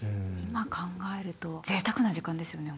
今考えるとぜいたくな時間ですよね。